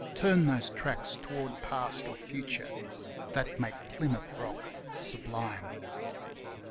Turn those tracks toward Past or Future, that make Plymouth rock sublime?